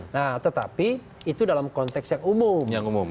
nah tetapi itu dalam konteks yang umum